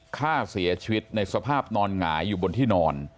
ฆ่าเสียชีวิตในสภาพนอนหงายอยู่บนที่นอน